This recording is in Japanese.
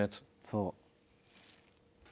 そう。